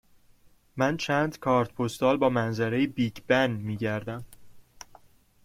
من چند کارت پستال با منظره بیگ بن می گردم.